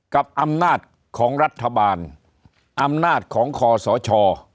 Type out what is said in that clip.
กับอำนาจของรัฐบาลอำนาจของคอสช